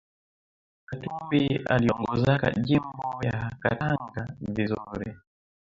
Katumbi aliongozaka jimbo ya katanga vizuri